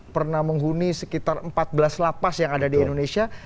pernah menghuni sekitar empat belas lapas yang ada di indonesia